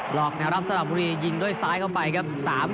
หลอกแนวรับสลับบุรียิงด้วยซ้ายเข้าไปครับ